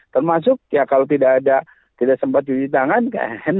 termasuk ya kalau tidak ada tidak sempat cuci tangan kan